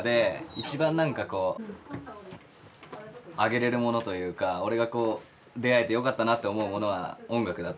一番何かこうあげれるものというか俺が出会えてよかったなと思うものは音楽だったから。